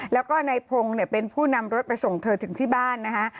แล้วก็ในกลุ่มโางเป็นผู้นำรถไปส่งเธอที่บ้านนะคะ